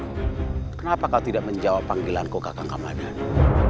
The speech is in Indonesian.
kenapa kau tidak menjawab panggilanku kakang kamandanu